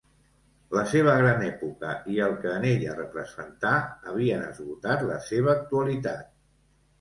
La seva gran època i el que en ella representà havien esgotat la seva actualitat.